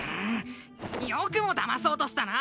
よくもだまそうとしたな！